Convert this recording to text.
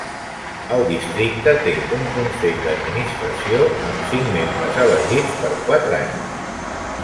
El districte té un Consell d'administració, amb cinc membres elegits per quatre anys.